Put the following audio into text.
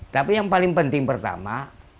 tapi yang paling penting pertama